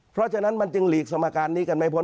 เพราะฉะนั้นมันจึงหลีกสมการนี้กันไม่พ้น